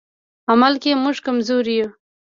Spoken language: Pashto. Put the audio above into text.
عمل کې موږ کمزوري یو.